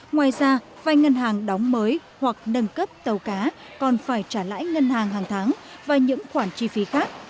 ngoài ra vai ngân hàng đóng mới hoặc nâng cấp tàu cá còn phải trả lãi ngân hàng hàng tháng và những khoản chi phí khác